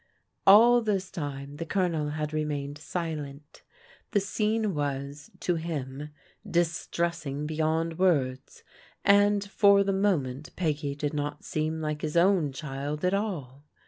All this time the Colonel had remained silent. The scene was, to him, distressing beyond words, and for the moment Peggy did not seem like his own child at all.